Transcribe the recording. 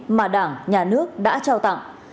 hòa đảng nhà nước đã trao tặng